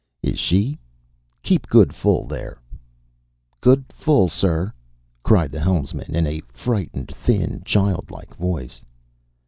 "Is she?... Keep good full there!" "Good full, sir," cried the helmsman in a frightened, thin, childlike voice.